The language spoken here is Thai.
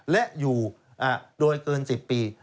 และอยู่โดยเกิน๑๐ปี